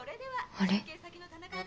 あれ？